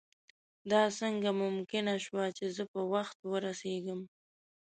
دا څنګه ممکنه شوه چې زه په وخت ورسېږم.